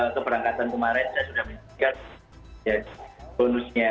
keberangkatan kemarin saya sudah menyebutkan bonusnya